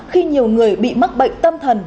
khi nhiều người bị mắc bệnh tâm thần